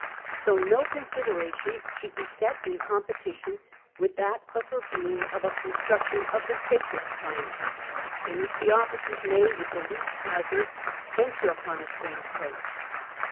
So no consideration should be set in competition with that of her being of a construction of the safest kind, in which the ofiicera may, with the least hazard, venture upon VI THE SHIP CHOSEN 71 a strange coast.